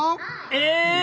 え！